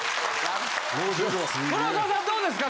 黒沢さんどうですか？